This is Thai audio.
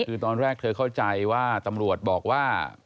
คือตอนแรกเธอเข้าใจว่าตำรวจบอกว่า